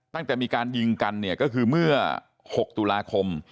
ตั้งแต่มีการยิงกันเนี่ยก็คือเมื่อ๖ตุลาคม